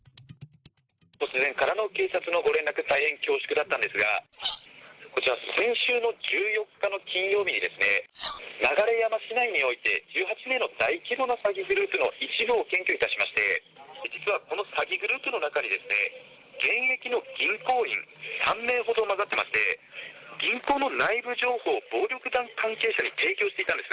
突然の警察からのご連絡、大変恐縮だったんですが、こちら先週の１４日の金曜日にですね、流山市内において、１８名の大規模な詐欺グループの一部を検挙いたしまして、実はこの詐欺グループの中にですね、現役の銀行員３名ほど交ざってまして、銀行の内部情報を暴力団関係者に提供していたんです。